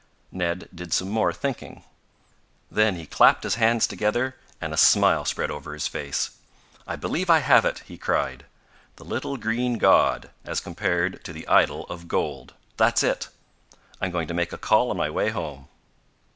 Ned did some more thinking. Then he clapped his hands together, and a smile spread over his face. "I believe I have it!" he cried. "The little green god as compared to the idol of gold! That's it. I'm going to make a call on my way home."